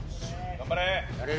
頑張れ！